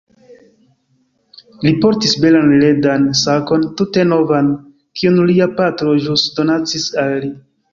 Li portis belan ledan sakon, tute novan, kiun lia patro ĵus donacis al li.